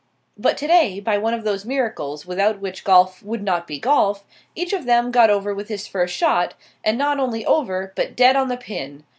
But today, by one of those miracles without which golf would not be golf, each of them got over with his first shot and not only over, but dead on the pin.